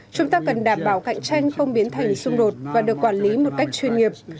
chúng ta cần đảm bảo cạnh tranh không biến thành xung đột và được quản lý một cách chuyên nghiệp